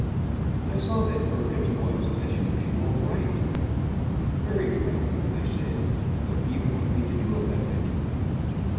I saw that Perkins was, as usual, right. "Very well," I said, "what do you want me to do about it?"